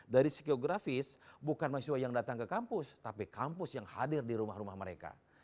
dari si geografis bukan mahasiswa yang datang ke kampus tapi kampus yang hadir di rumah rumah mereka